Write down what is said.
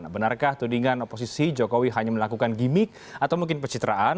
benarkah tudingan oposisi jokowi hanya melakukan gimmick atau mungkin pecitraan